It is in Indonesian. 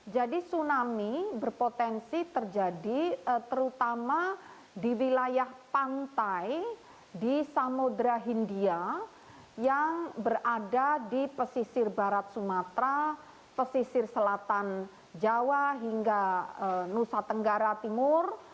jadi tsunami berpotensi terjadi terutama di wilayah pantai di samudera hindia yang berada di pesisir barat sumatera pesisir selatan jawa hingga nusa tenggara timur